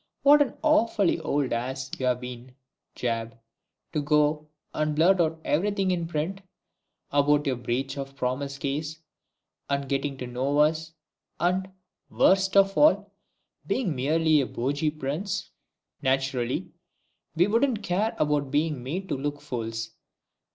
What an awfully old ass you have been, JAB, to go and blurt out everything in print about your breach of promise case, and getting to know us, and worst of all being merely a bogey prince. Naturally, we don't care about being made to look fools.